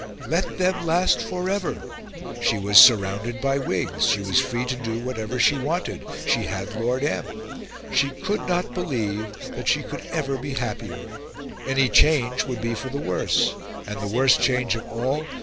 Let them last for ever! She was surrounded by Whigs, she was free to do whatever she wanted, she had Lord M.; she could not believe that she could ever be happier. Any change would be for the worse; and the worst change of all...